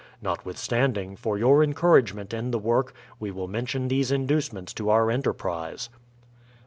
Notwithstanding, for your en couragement in the work we will mention these inducements to our enterprise: 1.